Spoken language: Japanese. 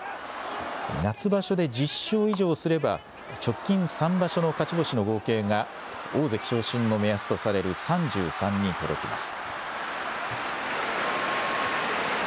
夏場所で１０勝以上すれば、直近３場所の勝ち星の合計が大関昇進の目安とされる３３に届きます。